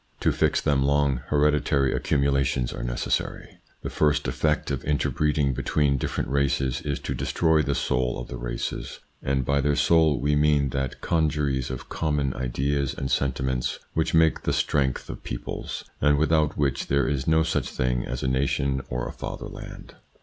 To fix them long, hereditary accumulations are necessary. The first effect of interbreeding between different races is to destroy the soul of the races, and by their soul we mean that congeries of common ideas and sentiments which make the strength of peoples, and without which there is no such thing as a nation or a father land.